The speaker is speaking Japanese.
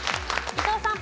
伊藤さん。